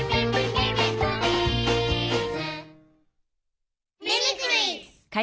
ミミクリーズ！